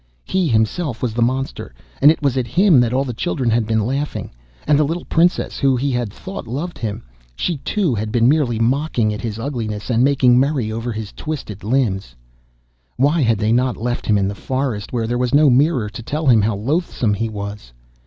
He himself was the monster, and it was at him that all the children had been laughing, and the little Princess who he had thought loved him—she too had been merely mocking at his ugliness, and making merry over his twisted limbs. Why had they not left him in the forest, where there was no mirror to tell him how loathsome he was?